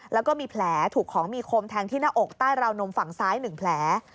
แล้วก็มีแผลถูกของมีคมแทงที่หน้าอกใต้ราวนมฝั่งซ้าย๑แผล